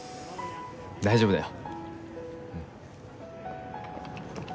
大丈夫だよ。